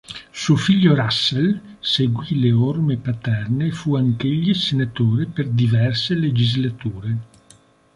Suo figlio Russell seguì le orme paterne e fu anch'egli senatore per diverse legislature.